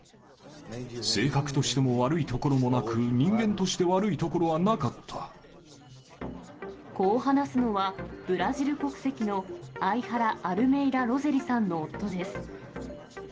性格としても悪いところもなく、こう話すのは、ブラジル国籍のアイハラ・アルメイダ・ロゼリさんの夫です。